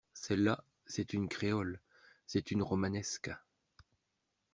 Celle-là, c'est une créole, c'est une romanesque!